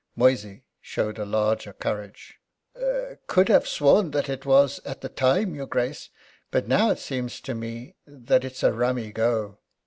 Moysey showed a larger courage: "Could have sworn that it was at the time, your Grace. But now it seems to me that it's a rummy go."